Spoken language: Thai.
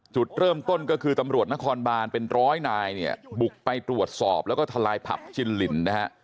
จุดเริ่มต้นก็คือตำรวจนครบานเป็นร้อยนายเนี่ยบุกไปตรวจสอบแล้วก็ทลายผับจินลินนะฮะ